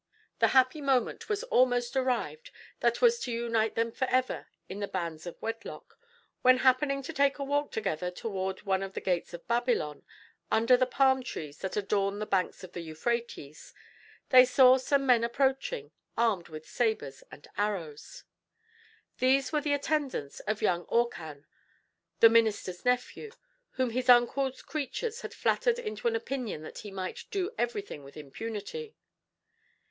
The happy moment was almost arrived that was to unite them forever in the bands of wedlock, when happening to take a walk together toward one of the gates of Babylon, under the palm trees that adorn the banks of the Euphrates, they saw some men approaching, armed with sabers and arrows. These were the attendants of young Orcan, the minister's nephew, whom his uncle's creatures had flattered into an opinion that he might do everything with impunity.